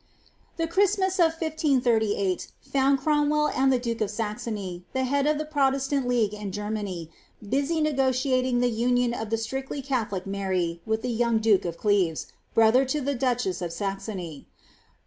^' The Christmas of 1538 found Cromwell and the duke of Saximr (the head of the Protestant leasrne in Germany > busy negotiating the imion of the strictly Catholic Nlary with the young duke of Cleres, brother to the duchess of Saxony.